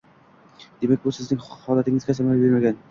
Demak, bu sizning holatingizda samara bermagan?